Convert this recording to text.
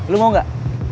lu mau gak